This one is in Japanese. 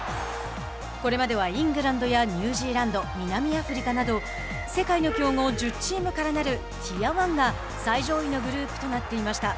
これまではイングランドやニュージーランド南アフリカなど世界の強豪１０チームからなるティア１が最上位のグループとなっていました。